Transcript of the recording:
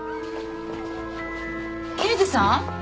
刑事さん？